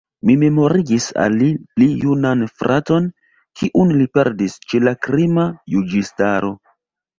Mi memorigis al li pli junan fraton, kiun li perdis ĉe la krima juĝistaro.